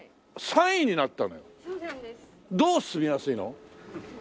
どう住みやすいの？